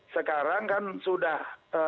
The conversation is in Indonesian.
sekarang kan sudah